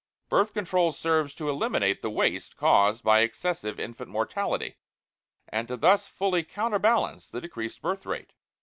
BIRTH CONTROL SERVES TO ELIMINATE THE WASTE CAUSED BY EXCESSIVE INFANT MORTALITY, and to thus fully counterbalance the decreased birth rate.